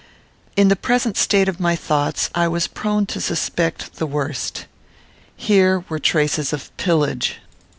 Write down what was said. In the present state of my thoughts, I was prone to suspect the worst. Here were traces of pillage.